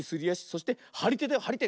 そしてはりてだよはりて。